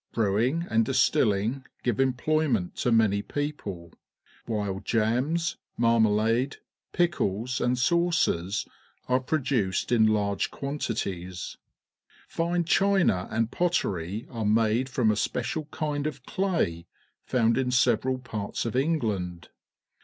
Brewing and distilhng give emploj'ment to many people, whilejiijns^_mannaj.ad£,_pickles^ and sauces are produced in large quantities. Fme china and pottex^ are made from a special kind of clay found in several parts of England.